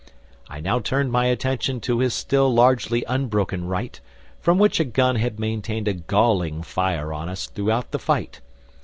I now turned my attention to his still largely unbroken right, from which a gun had maintained a galling fire on us throughout the fight.